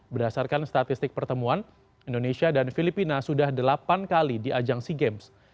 berdasarkan statistik pertemuan indonesia dan filipina sudah delapan kali di ajang sea games